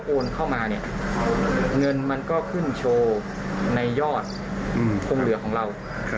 โอนเข้ามาเนี่ยเงินมันก็ขึ้นโชว์ในยอดคงเหลือของเรา